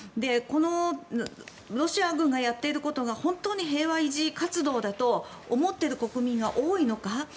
このロシア軍がやっていることが本当に平和維持活動だと思っている国民が多いのか。